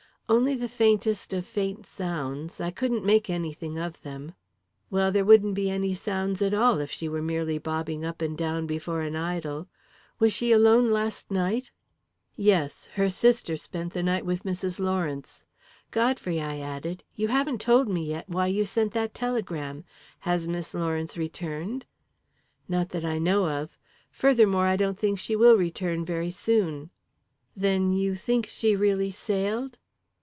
"Only the faintest of faint sounds. I couldn't make anything of them." "Well, there wouldn't be any sounds at all if she were merely bobbing up and down before an idol. Was she alone last night?" "Yes. Her sister spent the night with Mrs. Lawrence. Godfrey," I added, "you haven't told me yet why you sent that telegram. Has Miss Lawrence returned?" "Not that I know of. Furthermore, I don't think she will return very soon." "Then you think she really sailed?"